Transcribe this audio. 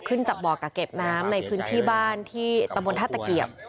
จากบ่อกะเก็บน้ำในพื้นที่บ้านที่ตำบลท่าตะเกียบ